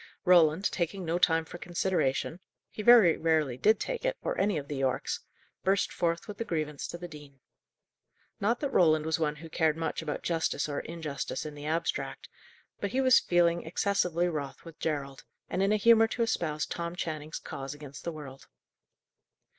Roland, taking no time for consideration he very rarely did take it, or any of the Yorkes burst forth with the grievance to the dean. Not that Roland was one who cared much about justice or injustice in the abstract; but he was feeling excessively wroth with Gerald, and in a humour to espouse Tom Channing's cause against the world.